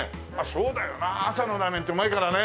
そうだよな朝のラーメンってうまいからね。